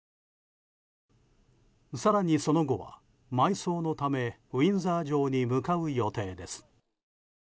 更にその後は埋葬のためウィンザー城に向かう予定です。